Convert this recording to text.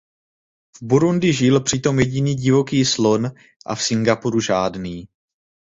V Burundi žil přitom jediný divoký slon a v Singapuru žádný.